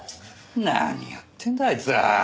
何やってんだあいつは！